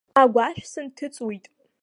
Агәашә сынҭыҵуеит.